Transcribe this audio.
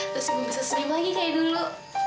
terus ibu bisa senyum lagi kayak dulu